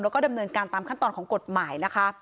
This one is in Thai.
แล้วก็ดำเนินการตามขั้นตอนของกฎหมายนะคะ